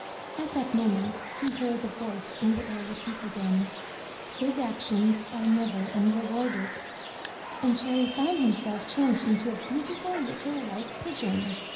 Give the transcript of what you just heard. At that moment he heard the voice in the air repeat again: *'Good actions are never unrewarded/* and Cherry found him self changed into a beautiful little white pigeon.